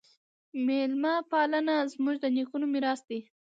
میلمه پالنه زموږ د نیکونو میراث دی.